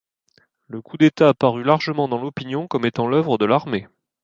Ce coup d'État apparut largement dans l'opinion comme étant l'œuvre de l'armée.